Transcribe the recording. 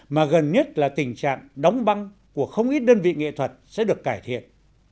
mà gần nhất là tình trạng đóng băng của không ít đơn vị nghệ thuật sẽ được cải thiện